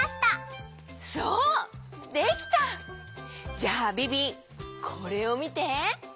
じゃあビビこれをみて！